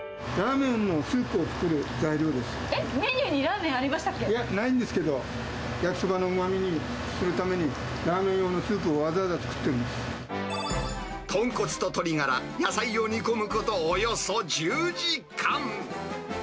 メニューにラーメンあいや、ないんですけど、焼きそばのうまみにするために、ラーメン用のスープをわざわざ作豚骨と鶏ガラ、野菜を煮込むことおよそ１０時間。